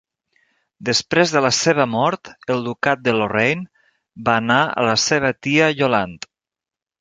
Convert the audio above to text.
Després de la seva mort, el ducat de Lorraine va anar a la seva tia Yolande.